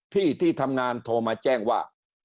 ที่ที่ทำงานโทรมาแจ้งว่า